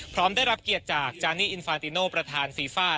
พร้อมได้รับเกียรติจากจานนี่อินฟานติโนประธานฟีฟ่า